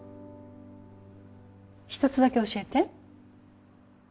一つだけ教えて。